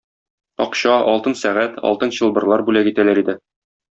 Акча, алтын сәгать, алтын чылбырлар бүләк итәләр иде.